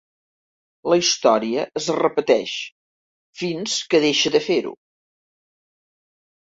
La història es repeteix, fins que deixa de fer-ho.